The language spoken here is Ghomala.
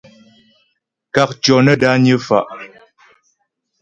Kákcyɔ́ nə́ dányə́ fá'.